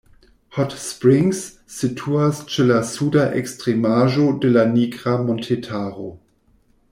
Hot Springs situas ĉe la suda ekstremaĵo de la Nigra montetaro.